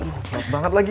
oh mat banget lagi